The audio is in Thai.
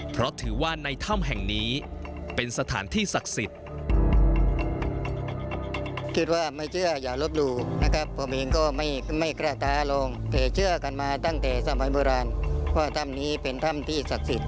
เพราะถือว่าในถ้ำแห่งนี้เป็นสถานที่ศักดิ์สิทธิ์